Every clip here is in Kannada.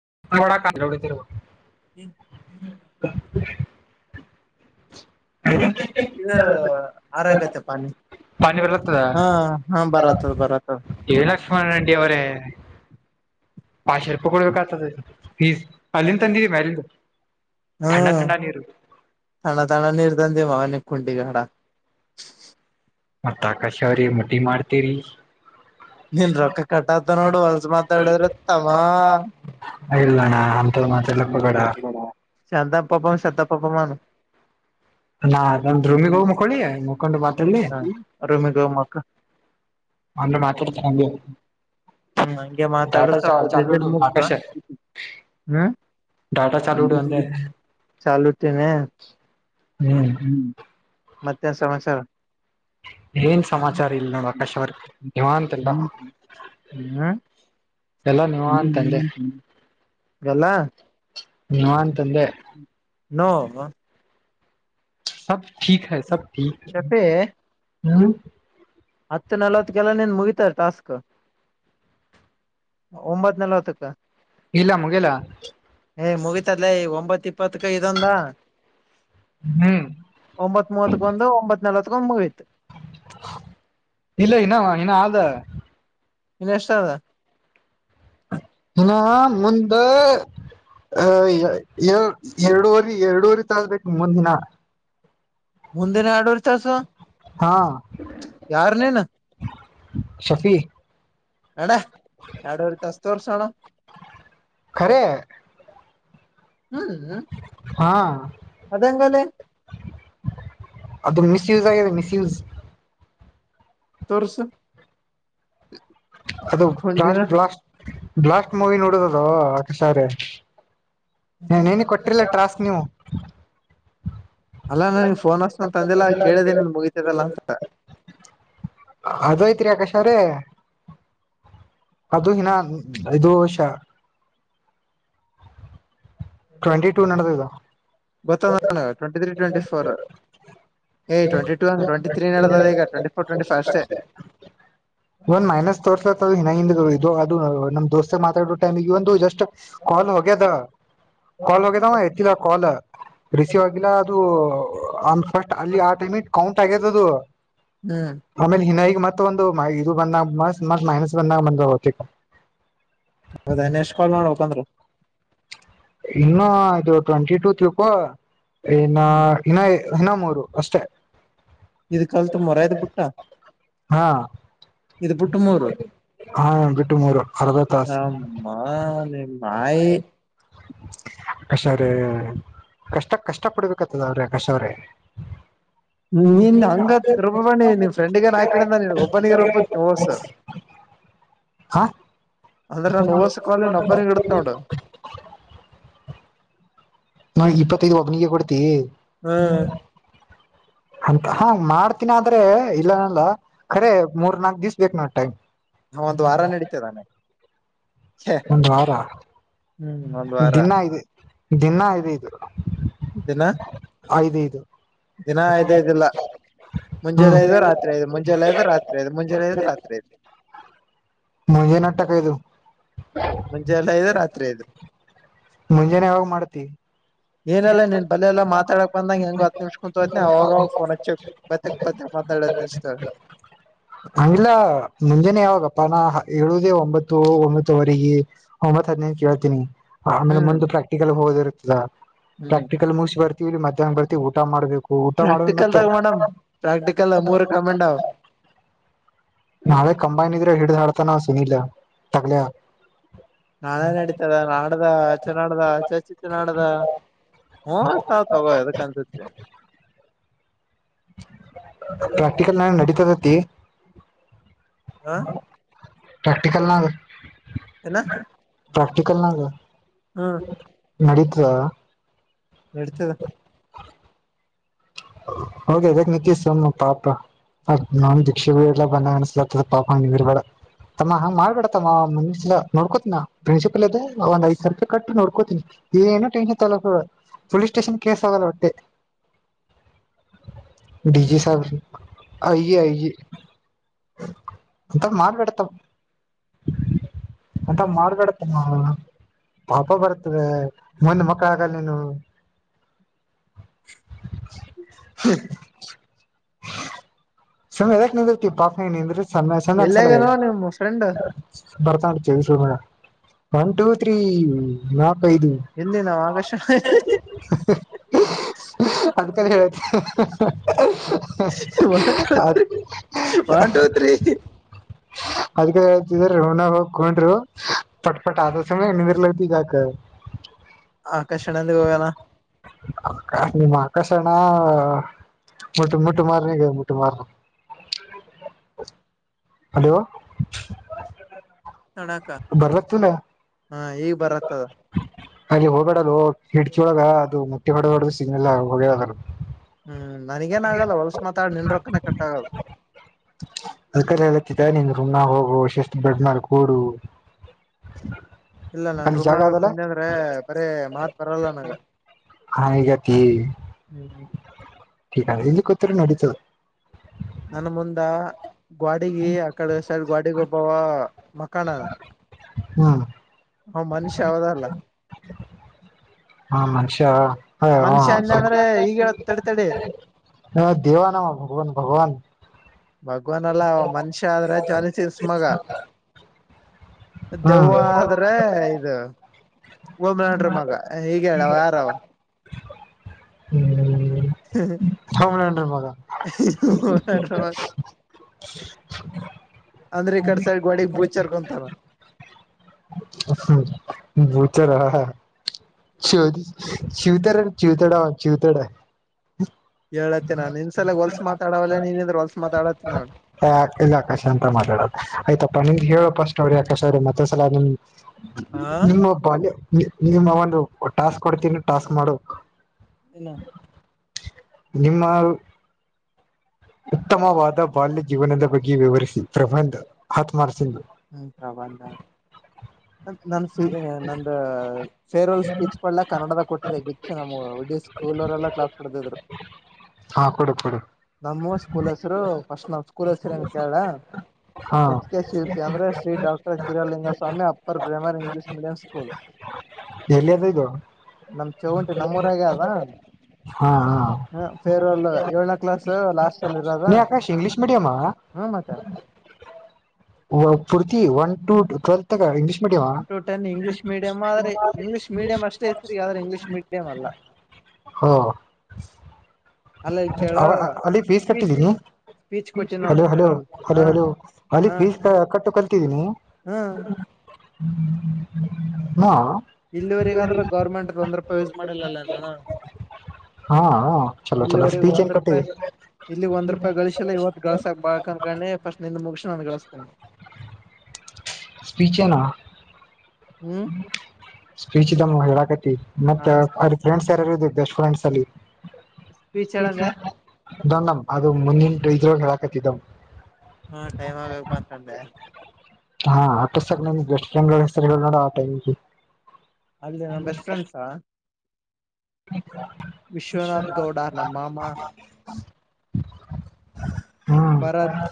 [unintelligible] ಇದರ ಆರಾಗತೆ ಪಾನಿ ಪಾನಿ ಬರ್ಲತ್ತದ ಹಾ ಹಾ ಬರತ ಬರತ ಏ ಲಕ್ಷ್ಮಣ ಲಕ್ಷ್ಮ ರೆಡ್ಡಿ ಅವ ಅವರೇ [unintelligible] ಪಾಶ ರೂಪಾಯಿ ಕೊಡ್ಬೇಕತದೆ ಫೀಸ್ ಅಲ್ಲಿಂದ ತಂದ ಮ್ಯ ಅಾಲಂದ ಹ್ಮ್ ತಾನ ತಾಣ ನಿರ್ಧಂಧೆ ಮಾಡ ಕುಂಡಗಾಡ ಮತ್ತತ್ ಆಕಾಶ ಅವ್ರಿ ಮುಟ್ಟಿ ಮಾಡ್ತೀರಿ ನೀನ್ ರೊಕ್ಕ ಕಟಾತ ನೋಡು ಒಲ್ಸ ಮಾತಾಡಿದ್ರ ತಮ್ಮಾ ಇಲ್ಲಣ್ಣ. ಅಂತ ಮಾತಾಡ್ಲ ಹೋಗಬೇಡ [inaudible] ಶಾತಂ ಪಾಪಂ ಶಾತಂ ಪಾಪಂ ಅನ್ನು. ನಾ ನಂದ್ ರೂಮಿಗ್ ಹೋಗಿ ಮುಕ್ಕೊಳ್ಳಿ ಮುಕೊಂಡು ಮಾತಾಡ್ಲಿ. ಹ ರೂಮಿಗೆ ಹೋಗ ಮಕ್ಕ [unintelligible] ಹ್ಮ್ ಡಾಟಾ ಚಾ ಚಾಲು ಇಡು ಆಕಾಶ [unintelligible] ಡಾಟಾ ಚಾಲು ಇಡು ಅಂದೆ [unintelligible] ಹ್ಮ್. ಮತ್ ಎನ್ ಸಮಾಚಾರ. ಏನ್ ಸಮಾಚಾರ ಇಲ್ ನೋಡು ಆಕಾಶ್ ಅವರೆ [unintelligible] ಹ್ಮ ಅಂದೆ ಹ ಎಲ್ಲಾ. [unintelligible] ನೋ. ಸಬ್ ಟಿಕ್ ಹೈ ಸಬ್ ಟಿಕ್ ಹೈ ಶಫಿ ಹ್ಮ್ಮ್. ಹತ್ತು ನಲವತ್ಕೆಲ್ಲ ನಿಂದ್ ಮುಗಿತಾ ಟಾಸ್ಕ್. ಒಂಬತ್ ನಲವತ್ತಕ್ಕ. ಇಲ್ಲ ಮುಗಲ. ಏ ಮುಗಿತದಲೇ ಈಗ ಒಂಬತ್ತು. ಇಪ್ಪತ್ತಕ ಇದೊಂದ ಹ್ಮ್ ಒಂಬತ್ ಮೂವತ್ ಕ ಒಂದು ಒಂಬತ್ತು. ನಲವತ್ಕೂ ಒಂದ್ ಕ ಮುಗಿತ್. ಇಲ್ಲ ಇನ ಇನ ಆದ. ಇನ್ ಎಷ್ಟ ಅದ. ಇನ್ನು ಮುಂದ. ಅ ಏ ಎರೆಡುವರಿ ಎರೆಡುವರಿ ತಾಸು ಆಕತಿ ಮುಂದಿನ. ಮುಂದಿನ ಎರೆಡುವರಿ ತಾಸು ಹಾ ಯಾರ್ ನೀನು. ಶಫೀ. ನಡಿ ಎರೆಡುವರಿ ತಾಸ್ ತೋರ್ಸು ನೋಡಮು. ಕರೇ. ಹ್ಮ ಹ್ಮ. ಹಾ. ಅದೆಂಗಲೇ. ಮಿಸ್ ಯೂಸ್ ಆಗ್ಯದ ಮಿಸ್ ಯೂಸ್. ತೋರ್ಸು. ಅದು ಕೊಂಡಿನ ಬ್ಲಾಸ್ಟ್ ಬ್ಲಾಸ್ಟ್ ಬ್ಲಾಸ್ಟ್ ಮೂವಿ ನೋಡಿದ್ವ್ಯಲೂ ಅಕ ಸಾರೆ. ಹೆ ನಿನ್ನೆ ಕೊಟ್ರಿಲ ಟ್ರಾಸ್ಕ್ ನೀವು. ಅಲ್ಲಾ ಅಲ್ಲಾ ನನಗ್ ಫೋನ್ ಹೆಚ್ತನಿ ಅಂತ ಅಂದಿಲ್ಲ ಕೇಳಿದೆ ನಿಂದ್ ಮುಗಿತದಲ್ಲ ಅಂತ. ಅದ ಐತ್ರಿ ಆಕಾಶವ್ರೆ. ಅದು ಇನ್ನ ಇದು [unintelligible] ಟ್ವೆಂಟಿ ಟೂ ನಡದದ ಗತ್ತಾನ ಟ್ವೆಂಟಿ ತ್ರೀ ಟ್ವೆಂಟಿ ಫೋರ್ ಏ ಟ್ವೆಂಟಿ ಟ ಟ್ವೆಟಿ ತ್ರೀ ನಡೆದ ಟ್ವೆಂಟ ಫೋರ್ ಟ್ವೆಂಟಿ ಫಸ್ಟ್ ಒಂದ್ ಮೈನಸ್ ತೋರ್ಸಲತ್ದು ಹಿನ ಹಿಂದ ಅದು ನಮ್ ದೋಸ್ತ ಮಾತಾಡೋ ಟೈಮ್ಗ ಒಂದು ಜಸ್ಟ್ ಕಾಲ್ ಹೋಗ್ಯದ ಕಾಲ್ ಹೋಗ್ಯದ ಅವ ಎತ್ತಿದ ಕಾಲ್. ರಿಸೀವ್ ಆಗಿಲ್ಲ ಅದು ಅ [unintelligible] ಅಲ್ಲಿ ಆ ಟೈಮಿಗೆ ಕೌಂಟ್ ಆಗ್ಯದ ಅದು. ಹ್ಮ್ ಆಮೇಲೆ ಇನ ಈಗ ಮತ್ತ ಒಂದವು ಮ ಈಗೂ ಬಂದಾಗ ಮತ್ ಮತ್ ಮೈನಸ್ ಬಂದಾಗ ಬಂದವು. ಹೌದಾ ಇನ್ನೂ ಎಷ್ಟು ಕಾಲ್ ಮಾಡ್ಬೇಕ್ ಬಂದ್ರ. ಇನ್ನು ಇದು ಟ್ವೆಂಟಿ ಟೂ ತಿಳ್ಕೊ ಇನ್ನ ಹ್ಮ್ ಇನ್ನ. ಇನ್ನ ಮೂರು ಅಷ್ಟೇ. ಇದ್ ಕಲ್ತ್ ಮೊರಯದ್ ಬಿಟ್ಟ. ಹಾ ಇದ್ ಬಿಟ್ಟು ಮೂರು ಹ [unintelligible] ಟುಮಾರೋ ಅರ್ದ ತಾಸ್. ನಮ್ಮ ನಿಮ್ ನಾಯಿ [inaudible] ಕಷವರ ಕಷ್ಟಕ್ ಕಷ್ಟ ಪಡ್ಬೇಕತ್ತದ ಅವ್ರೆ ಕಷವ್ರೇ ಹ್ಮ ನೀನ್ ಹಂಗತ್ ರುಬ್ಬಣಿ ನಿನ್ ್ರೆಂಡಿಗನ್ ಹಾಕಿಡಂದ ನೀ ಒಬ್ಬನಿಗೆ ರುಬ್ಬತ್ ನೀಸ ಹ ಹ ಅಂದ್ರೆ ನಾನ ಹಊಸಕ್ಾಲ ನೊಬ್ಬರಿಂಗ ಇಡತ ಉಂಡ ನೋ ಇಪ್ಪತ್ತೈದು ಒಬ್ಬ ನೀಿಗೆ ಕೊಡ್ತೀ ಹ್ಮ್ [inaudible] ಅಂತ ಹಾ ಮಾಡ್ತೀನ ಆದ್ರೆ ಇಲ್ಲನಲ್ಲ ಖರೆ ಮೂರ್ ನಾಕ್ ದಿವ್ ಬೇಕು ನೋ ಟೈಮ್ ಹ ಒಂದು ವಾರ ನಡೀತಿದ್ದಾನೆ ಒಂದು ವಾರ ಹ್ಮ್ ಒಂದ್ ವಾರ ದಿನ ಇದೆ ದಿನ ಇದ ಇದ್ರು ದಿನ ಆಯದ ಇದು ದಿನ ಇದೇ ಇದಿಲ್ಲ ಹ್ಮ್ ಮುಂಜೆಾನೆ ಐದು ರಾತ್ರಿ ಐದು ಮುಂಜಾನೆ ಐದು ರಾತ್ರಿ ಐದು ಮುಂಜೆಾನೆ ಐದು ರಾತ್ರಿ ಐದು ಮುೆನಾಟಕ ಇದುು ಮುಂಜೆ ಎಲ್ಲ ಇದು ರಾತ್ರಿ ಇದು ಮುಂಜಾನೆ ಯಾವಾಗ ಮಾಡ್ತಿೀವಿ ಏನೆಲ್ಲ ನೀನ್ ಬಲ್ಲ ಎಲ್ಲಾ ಮಾತಾಡಕ್ ಬಂದಂಗಗೆ ಹೆಂಗ ಹ ನಿಮ್ಷ ಕುೂಂತ ಹೋ್ತನಿ ಅವವಾಗವಾಗ ಫೋನ್ ಹಚ್ಚಕ್ ಬಕ್ ಬ ಮಾತಾಡ ಜಷ್ಟ ಹಂಗಿಲ್ಲ ಮುಂಜಾನೆ ಯಾವಾಗಪ್ಪ ನಾ ಹೇಳುವುದೇ ಒಂಬತ್ತು ಒಂಬತ್ತುುವರೆಗೆ ಒಂಬತ್ತು ಹದಿನೇಂತ ಕೇಳ್ತೀನಿ ಆಮೇಲೆ ಹ್ಮ್ ಮುಂದ ಪ್ರಾಕ್ಟಿಕಲ್ ಹೋದ ಇರ್ತ್ತದ ಹ್ಮ್ ಪ್ರಾಕ್ಟಿಕಲ್ ಮುಗಸ ಬರ್ತ ಮಧ್ಯಾಹ್ನ ಬರ್ತಿ ಊಟ ಮಾಡಬೇಕು ಪ್ರಾಕ್ಟಿಕಲ್ದಾಗ ಮೇಡಮ್ ಪ್ರಾಕ್ಟಿಕಲ್ ಮೂರ ಕಮೆಟ್ ನಾಳೆ ಕಂಬೈನ್ ಇದ್ರೆ ಹಿಡ್ದ್ ಹಾಡ್ತ ನಾವ ಸುನೀಲ ತಗ್ಲ ನಾಳೇ ನಡೀತದ ನಾಡ್ದ ಚೆ ನಡ್ದ ಚೆ ಚಿ ಚ ನಾಡದ ಹ್ಮ ಸಾಾವ ಹಗಕನ್ ಸ ಪ್ರಾಕ್ಟಿಕಲ್ ನಾನ ನಡೀತದೆತಿ ಆ ಪ್ರೆಕ್ಟಿಕಲ್ ನ ಹ್ಣ ಪ್ರಾಕ್ಟಿಕಲ್ ನ ಗ ಹ್ಮ ನಡೀತ ನಡತದ ಹೆ ಇದಕ್ ನಿತೀಶ್ ಸಮ್ಮ ಪಾಪ ಅ ನಾನ್ ದೀಕ್ಷೆ ಎಲ್ಲ ಬಂದ ಅನ್ಸ್ಲತದೆ ಪಾಪ ನಿರ್ಬೇ ತಮ್ಮ ಹಂಗ್ ಮಾಡ್ಬೇಡತಮ್ಮ ಮನ್ಸಾ ನೋಡ್ಕೋತಿನ ನ ಪ್ರಿನ್ಸಿಪಲ್ ಅದ ಒಂದ್ಐ್ಾವಿ ರೂಪಾಯಿಟ್ಟ ನೋಡ್ಕೋತೀಿನಿ ಏನು ಟನ್ಷನ್ ತಲಕ ಪೊಲೀಸ್ ಸ್ಟೇಷನ್ ಕೇಸ್ ಆಗಲ್ಲ ಹೊಟ್ಟೆ ಡಿಜಿ ಸಾಬ ಆಐ ಆಐೆ ಅತ್ತ ಮಾಡಾರ್ಡತ ಅಂತ ಮಾಡಬಾಡತ ನ ಪಾಪ ಬರ್ತದೆ ಮುಂದ್ ಮಕ್ಕಳ ಆಗಲ್ಲ ನೀನು ಹ ಸುಮ್ಮ್ ಇದದಾ ನಿಂದಿರ್ತಿ ಪಾಪ ಹ ನಿಂದ್ರರು ಚಂದ ಚಂದ ಅನ್ಸಲ ಎಲ್ಲಿಯಾಗನೋ ನಿಮ್ ಫ್ರೆಂಡ್ ಬರ್ತಾ ಚ ಒನ್ ಟೂ ತ್ರೀ ನ ಬೈದು ಇಲ್ಲಿ ನಾವ್ ಆಗಸ್ಟ್ ಅದ್ಕ ಹೇಳಕ್ಕೆ one two three one two three ಅದಕ್ಕೆ ಹೇಳ್ತಿದೀ ಹನ ಹೋಗ ಹಕೊಂಡರು ಪಟ್ ಪಟ್ ಆದ ಸಮಯ ಹಣ್ಣದಿರ್ಲತಿ ಈಗಾಕ ಆಕರ್ಷಣ ಎಂದ ಗವಾನ ಆ ನಿಮ್ಮ ಆಕಾಶಣ ಮುಟ್ಟು ಮುಟ್ಟು ಮಾರನಿಗೆ ಮುಟ್ಟು ಮಾರ ಹಲೋ ನೋಡಾಕ ಬರ್ಲತ್ತಲ ಹಾ ಈಗ್ ಬರತ್ತದ ಅಲ್ಲಿ ಹೋಗಬಾಡದು ಹಿಡ್ಚಳಗ ಅದು ಮಟ್ಟೆ ಹೊಡ ಹೊಡ್ದ ಸಿಗಿಲ್ಲ ಹೋಗಿ ಹ್ಮ್ ನನಗೇನ್ ಆಗಲ್ಲ ಹೊಲ್ಸ ಮಾತಾ ನಿನ್ ರೊಕ್ಕನೆ ಕಟ್ಟಾಗದು ಅ ನಿನ್ ರುಮನಾ ಗ ಹೋಗುಷಷ್ಟತ್ ಬೆಡನಾರ ಕೂಡು ಇಲ್ಲ ನಾ ಅಲ್ಲಿ ರೂಮನಾ ಜಾಗ ಗ ಅದಲ್ಲ ಕುತ್ತೆ ಅಂದ್ರೆ ಬರೀ ಮಾತ್ ಬರಲ್ಲ ನನಗ ತಿ ಹ್ಮ್ ಎಕ್ಕೊತ್ತ್ಣ ಅಡತ ನನ್ ಮುಂದ ಗೋಡಿಗಿ ಅಕಡೆ ಸೈಡ್ ಗೋಡಿಗಿ ಒಬ್ಬವ ಮಖಾನನ ಹ್ಮ ಹ ಮನುಷ್ಯ ಯಾವದಲ್ಲ ಹಾ ಮನುಷ್ಯ ಹ ಹ ಮನುಷ್ಯ ಅಂದ ಅಂದ್ರೆ ಈಗ ಹೇಳತ್ ತಡಿ ತಡಿ ಹ ದೇವ ನಾಮ ಭಗವನ್ ಭಗವನ್ ಭಗವನ್ಲ್ಲಾ ಮನುಷ್ಯ ಆದ್ರ ಜನಸಸ ಮಗ ಹ್ಮ್ ದೆವ್ವ ಆದ್ರೆ ಇದು ಓಮ್ ನಡ್ರಿ ಮಗ ಹೀಗ ಹೇಳಾವ ಯಾರ ಅವ ಹ್ಮ್ ಂಗ್ಲಂಡ ಮದ ಓಮ್ಲಾಂಡ್ರ ಆದರೆ ಈ ಕಡೆ ಸೈಡ್ ಗೋಡಿ ಭೂಚರಲ್ಲ ಗೊತ್ತಲ್ಲ ಬುಚರ್ ಶ ಶವತಾರೆ ಚಿತಡ ಚವತಡ ಹೇಳತ್ತೆ ನಾನ್ ನಿನ್ಸಲ ಹೊಲ್ಸ ಮಾತಾಡವಲ್ಲೇ ನೀನ್ ಇದ್ರೆ ಹೊಲ್ಸ ಮಾತಡತ್ತ ನೋಡ್ ಹ ಎಲ್ಲಿ ಆಕಾಶ ಅಂತ ಮಾಡತಾಡದು ಆಯ್ತಪ್ಪಾ ನಿಮ್ದಗೆ ಹೇಳ ಸ್ ನೋಡಿ ಆಕಶ ಅವ್ರೆ ಮತ್ತೆ ಸಲ ನಿಮ ಹ ನಿಮ್ಮೊಬ್ಬ ನಿಮ್ಮ ಒಂದು ಟಾಸ್ಕ್ ಕೊಡ್ತೀನಿ ಟಾಸ್ಕ್ ಮಾಡು ಇಲ್ಲಾ ನಿ ನಿಮ್ಮ ಉತ್ತಮವಾದ ಬಾಲ್ಯ ಜೀವನದ ಬಗ್ಗೆ ವಿವರಿಸಿ ಪ್ರಬಂಧ್ ಹತ್ಮಾರ್ಸಂದು ಹ್ಮ್ ಪ್ರಬಂದ ನನ್ ಫೀ ನಂದು ಫೇರ್ಲ್ ಸ್ಪೀಚ್ ಕ ಕನ್ನಡದಾಗ ಕೊಟ್ಟಿದ್ದ ಗಿಚ್ಚು ನಮ ವಿಡಸ್ ಟೂನ್ ಅವರ್ ಎಲ್ಲ ಕ್ಲಾಸ್ ಕೊತಿದ್ರು ಹಾ ಕೊಡು ಕೊಡು ನಮ್ಮೂ ಸ್ಕೂಲ್ ಹೆಸರು ಫಸ್ಟ್ ನಮ ಸ್ಕೂಲ್ ಹೆಸರನ್ನು ಕೇಳ ಹಾ ಎಸ್ ಕೆ ಶಿಲ್ಪಿ ಅಂದ್ರೆ Shri doctor Kiralingaswami upper primary English medium school ಎಲ್ಲಿ ಅದು ಇದು ನಮ ಚೌಂಟಿ ನಮ್ಮೂರಾಗ ಅದ ಹಾ ಹಾ ಹ ಫೇರ್ವೆಲ್ ಏಳ್ನೇ ಕ್ಲಾಸ್ ಲಾಸ್ಟ್ ಅಲ್ಲಿ ಇರದ ಮ್ಮ ಹ ಪುರ್ತಿ ಒನ್ ಟು ಟೆಂಥ್ ತಗ ಇಂಗ್ಲಿಷ್ ಮೀಡಿಯಮ ಇಂಗ್ಲೀಷ್ ಮೀಡಿಯಂ ಆದೆ ಇಂಗ್ಲೀಷ್ ಮೀಡಿಯಂ ಅಷ್ಟೇ ಹೆಸರಿಗ ಆದ್ರೆ ಇಂಗ್ಲಿಷ್ ಮೇಡಂಅಲ್ಲ ಹ ಅಲ್ಲ ಇಲ್ ಕೇಳು ಅವ ಅಲ್ಲಿ ಫೀಸ್ ಸ್ಪೀಚ್ ಕಟ್ಟಿದ್ದೀನಿ ಸ್ಪೀಚ್ ಕೊಟ್ಟಿ ನೋಡು ಹಲೋ ಹಲೋ ಫೇರ್ವೆಲ್ ಹ ಹಲೋ ಹಲೋ ಅಲ್ಲಿ ಫೀಸ್ ಕಟ್ಟು ಕಲ್ತಿದ್ದಿ ನೀ ಹ್ಮ ಹಾ ಇಲ್ಲಿವರಿಗಾದ್ರೆ ಗೌರ್ಮೆಂಟ್ ತೊಂದ್ ರೂಪಾಯಿ ಯೂಸ್ ಮಾಡಿಲ್ಲಲ್ಲ ನಾನ ಹಾ ಚಲೋ ಚಲೋ ಇಲ್ಲಿವ್ರಗ ಸ್ಪೀಚ್ ಏನ್ ಒಂದ್ ಕೊಟ್ಟಿ ರೂಪಾಯಿ ಇಲ್ಲಿ ಒಂದ್ ರೂಪಾಯಿ ಗಳಿಸಿಲ್ಲ ಇವತ್ತು ಗಳಸಾಕ್ ಬಾಕ್ನ್ ಕೆ ಫಸ್ಟ್ ನಿಂದ ಮುಗಸಿ ನಾನು ಗಳಿಸ್ತೇನಿ ಸ್ಪೀಚ ಏನಾ ಹ್ಮ್ ಸ್ಪೀಚ್ ದಲ ನಾ ಹೇಳಕ ಮತ್ತೆ ಹ ಅ ಫ್ರೆಂಡ್ಸ್ ಯಾರಾರು ಇದರು ಬೆಸ್ಟ್ ಫ್ರೆಂಡ್ಸ್ ಅಲ್ಲಿ ಸ್ಪೀಚ್ ಹೇಳಂದೆ ನಮ ಅದು ಮುಂದೆಂಟು ಇದ್ರೋಳ ಹೇಳಾಕತಿದ್ದವು ಹಾ ಟೈಮ್ ಆಗಕ್ ಬಂತೊಂದೇ ಹಾ ಅಟ ಸರ್ ನಿಮಗೆ ಬೆಸ್ಟ್ ಫ್ರೆಂಡ್ ಹೆಸರು ಹೇಳ್ನೋಡ ಆ ಆದೆ ನಾ ಬೆಸ್ಟ್ ಫ್ರೆಂಡ್ಸಾ ವಿಶ್ವನಾಥ್ ಗೌಡ ನಮ್ ಮಾಮ ಅ ಭಾರತ್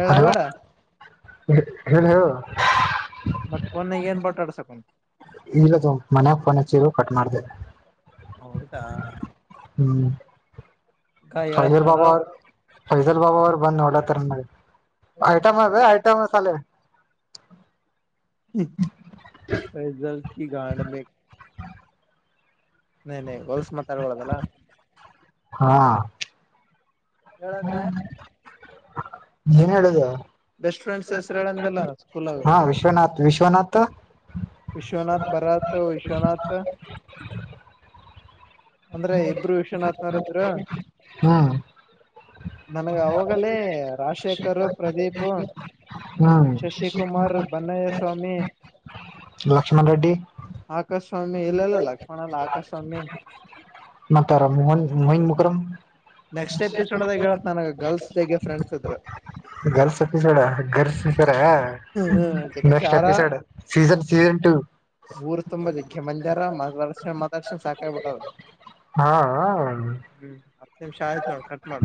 ಏಳ ಹಲೋ ಬೇಡ ಹೇಳ ಹೇಳು ಮತ್ತಫೋನ್ ಏನ್ ಬಠಾಡಸಕು ಇರದು ಮನೆಗೆ ಫೋನ ಹಚೀರು ಕಟ್ ಮಾಡತೇವೆ ಹ ಹೌದಾ ಹ್ಮ್ ಹಿ ಗಾ ಹೇಳತಿ ನೋಡು ಜಲ್ ಬಾಬಾ ಅವರು ಬಂದ್ ನೋಡತ ಐಟಮ ಅ ಐಟಮ್ಸಾಲೆ ಪೈಜಲ್ ಕಿ ನನ ಗಲ್ಸ್ ಮಾತಾಡ್ಬ ಡದಲ್ಲ ಹಾ ಹೇಳಂದೆ ಹ್ಮ ಏನ್ ಹೇಳುದ ಬೆಸ್ಟ್ ಫ್ರೆಂಡ್ಸ್ ಹೆಸರು ಹೇಳಂದಲ್ಲ ಸ್ಕೂಲಾಗ ಹಾ ವಿಶ್ವನಾಥ ವಿಶ್ವನಾಥ ವಿಶ್ವನಾಥ್ ಭರತ್ ವಿಶ್ವನಾಥ ಅಂದ್ರೆ ಇಬ್ರು ವಿಷ್ಯನ್ತ್ನಾರತ್ರ್ರ ಹ್ಮ್ ನನಗ ಅವಗ ಲೇ ರಾಜಶೇಖರ್ ಪ್ರದೀಪ್ ಹ್ಮ್ ಶಶಿಕುಮಾರ್ ಬನ್ನಯ ಸ್ವಾಮಿ ಲಕ್ಷ್ಮಣ ರೆಡ್ಡಿ ಆಕಸ್ವಾಮಿ ಇಲ್ಲಲ್ಲ ಲಕ್ಷ್ಮಣಲ್ಲ ಆಕಸ್ವಾಮಿ ಮಾತಾರ ಮೋಹನ್ ಮೋಹನ್ ಮುಖರಂ ನೆಕ್ಸ್ಟ್ ಸೇ ಎಪಿಸೋಡ್ದಾಗ ಹೇಳತ್ ನನಗ ಗರ್ಲ್ಸ್ ಜಗ್ಗೆ ಫ್ರೆಂಡ್ಸ್ ಇದ್ರು ಗರ್ಲ್ಸ್ ಎಪಿಸೋಡ್ ಗರ್ಲ್ಸ್ ಸರ ಹ್ಮ್ ನೆಕ್ಸ್ಟ್ ಜಗ್ಗ್ಯಾರ ಎಪಿಸೋಡ್ ಸೀಸನ್ ಸೀಸನ್ ಟೂ ಊರ್ ತುಂಬಾ ದಗ್ಕ್ಕೆ ಮಂದಿ ಅರಾ ಮ ವರ್ಷ ಮದ ವರ್ಷ ಸಾಕಾಯ್ಬ ಬಿಟ್ಟದ ಹಾ ಹ್ಮ್ ನಿಮ್ ಶಾ ಆಯ್ತ್ ನೋಡ ಕಟ್ ಮಾಡ